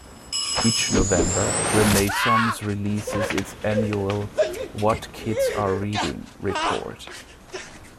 Each November, Renaissance releases its annual "What Kids Are Reading" report.